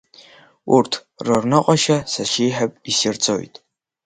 Урҭ рырныҟәашьа сашьеиҳаб исирҵоит.